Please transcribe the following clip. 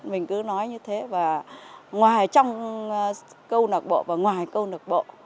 mình cứ nói như thế và ngoài trong câu lạc bộ và ngoài câu lạc bộ